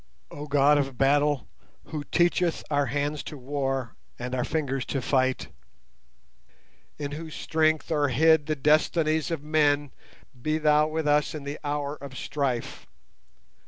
Oh God of battle, Who teacheth our hands to war and our fingers to fight, in Whose strength are hid the destinies of men, be Thou with us in the hour of strife.